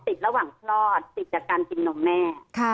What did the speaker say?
ระหว่างคลอดติดจากการกินนมแน่